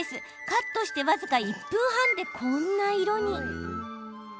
カットして僅か１分半でこんな色に。